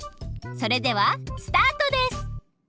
それではスタートです！